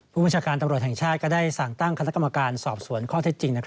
ผู้บัญชาการตำรวจแห่งชาติก็ได้สั่งตั้งคณะกรรมการสอบสวนข้อเท็จจริง